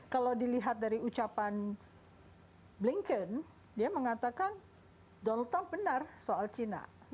kalau dilihat dari ucapan blinken dia mengatakan donald trump benar soal cina